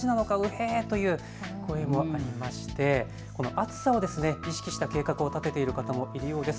暑さを意識した計画を立てている方もいるようです。